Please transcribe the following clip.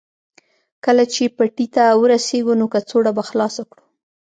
کله چې پټي ته ورسېږو نو کڅوړه به خلاصه کړو